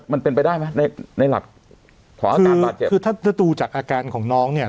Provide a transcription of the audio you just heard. มันเป็นไปได้ไหมในในหลักคือถ้าดูจากอาการของน้องเนี้ย